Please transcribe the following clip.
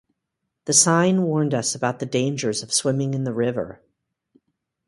The sign warned us about the dangers of swimming in the river.